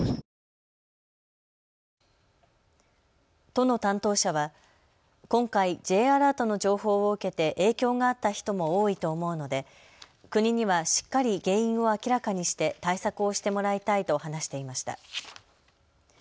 都の担当者は今回、Ｊアラートの情報を受けて影響があった人も多いと思うので国にはしっかり原因を明らかにして対策をしてもらいたいと話していました。